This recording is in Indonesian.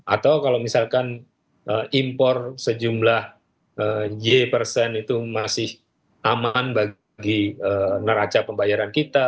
atau kalau misalkan impor sejumlah ye persen itu masih aman bagi neraca pembayaran kita